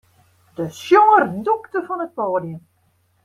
De sjonger dûkte fan it poadium.